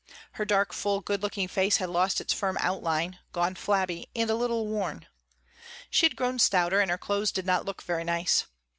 Her dark, full, good looking face had lost its firm outline, gone flabby and a little worn. She had grown stouter and her clothes did not look very nice.